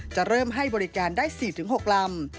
จะเริ่มให้บริการได้๔๖ลำ